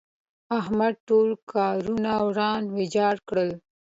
احمد ټول کارونه وران ويجاړ کړل.